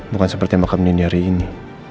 bukan seperti makam dini hari ini